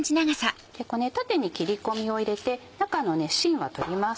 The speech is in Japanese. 縦に切り込みを入れて中のしんは取ります。